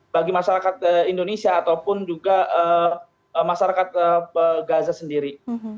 bagi masyarakat indonesia ataupun juga masyarakat gaza sendiri